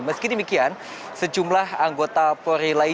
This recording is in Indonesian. meskipun demikian secumlah anggota profesi